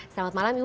selamat malam ibu